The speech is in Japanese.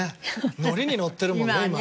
ノリにノッてるもんね